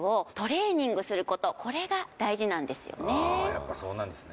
やっぱそうなんですね